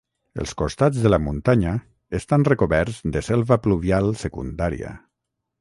Els costats de la muntanya estan recoberts de selva pluvial secundària.